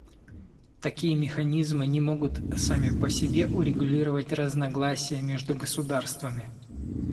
Такие механизмы не могут сами по себе урегулировать разногласия между государствами.